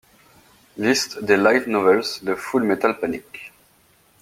Liste des light novels de Full Metal Panic!